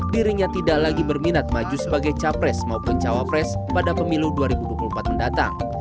dirinya tidak lagi berminat maju sebagai capres maupun cawapres pada pemilu dua ribu dua puluh empat mendatang